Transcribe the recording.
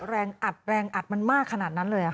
แรงอัดแรงอัดมันมากขนาดนั้นเลย